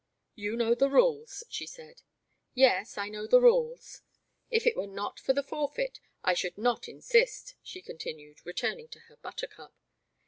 You know the rules/* she said. *' Yes — I know the rules." '* If it were not for the forfeit, I should not insist," she continued, returning to her buttercup.